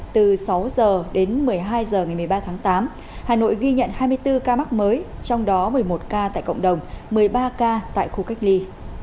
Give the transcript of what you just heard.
từ sáu h đến một mươi hai h ngày một mươi ba tháng tám hà nội ghi nhận hai mươi bốn ca mắc mới trong đó một mươi một ca tại cộng đồng một mươi ba ca tại khu cách ly